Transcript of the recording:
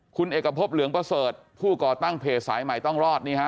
คุณเอกพบเหลืองประเสริฐผู้ก่อตั้งเพจสายใหม่ต้องรอดนี่ฮะ